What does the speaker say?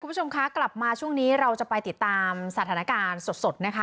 คุณผู้ชมคะกลับมาช่วงนี้เราจะไปติดตามสถานการณ์สดนะคะ